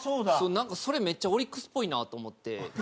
なんかそれめっちゃオリックスっぽいなと思って。